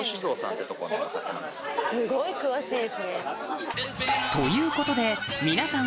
すごい詳しいですね。ということで皆さん